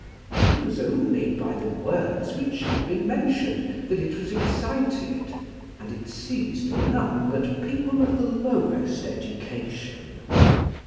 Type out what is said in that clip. It was only by the words which have been mentioned that it was excited, and it seized none but people of the lowest education.